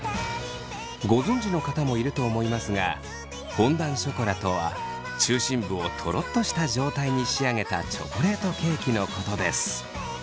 ご存じの方もいると思いますがフォンダンショコラとは中心部をトロッとした状態に仕上げたチョコレートケーキのことです。